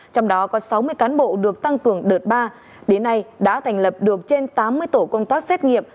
trong đó có sáu mươi cán bộ được tăng cường đợt ba đến nay đã thành lập được trên tám mươi tổ công tác xét nghiệm